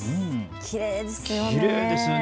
きれいですよね。